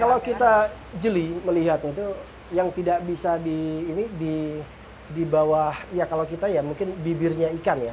kalau kita jeli melihat itu yang tidak bisa di ini di bawah ya kalau kita ya mungkin bibirnya ikan ya